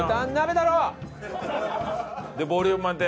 でボリューム満点。